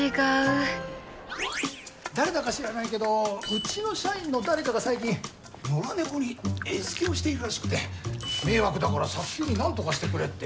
誰だか知らないけどうちの社員の誰かが最近野良猫に餌付けをしているらしくて迷惑だから早急になんとかしてくれって近隣の人が。